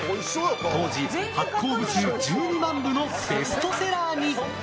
当時、発行部数１２万部のベストセラーに！